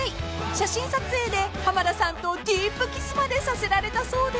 ［写真撮影で浜田さんとディープキスまでさせられたそうで］